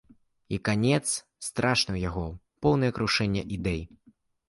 І канец страшны ў яго, поўнае крушэнне ідэй.